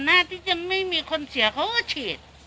เลยก่อนนะจะไม่มีคนเสียเขาก็ฉีด